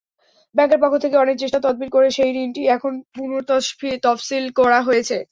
ব্যাংকের পক্ষ থেকে অনেক চেষ্টা-তদবির করে সেই ঋণটি এখন পুনঃতফসিল করা হয়েছে।